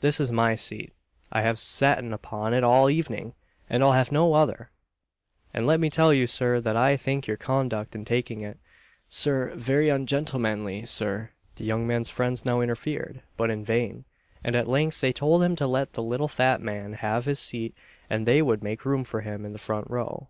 This is my seat I have satten upon it all the evening, and I'll have no other; and let me tell you, Sir, that I think your conduct in taking it, Sir, very ungentlemanly, Sir!" The young man's friends now interfered, but in vain; and at length they told him to let the little fat man have his seat, and they would make room for him in the front row.